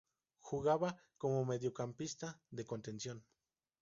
Jugaba como mediocampista de contención.